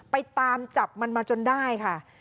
ไปตามจับมันมาจนได้ค่ะ